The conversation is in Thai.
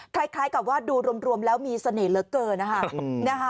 คล้ายกับว่าดูรวมแล้วมีเสน่ห์เหลือเกินนะคะ